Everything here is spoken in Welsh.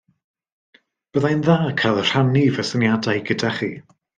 Byddai'n dda cael rhannu fy syniadau gyda chi.